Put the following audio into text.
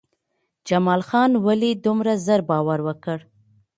جمال خان ولې دومره زر باور وکړ؟